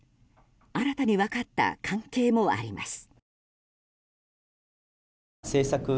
新たに分かった関係もあります。